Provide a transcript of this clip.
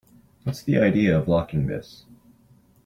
What's the idea of locking this?